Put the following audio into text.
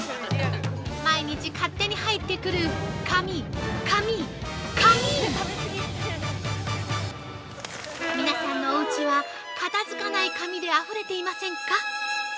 毎日勝手に入ってくる紙・紙・紙皆さんのおうちは、片付かない紙であふれていませんか？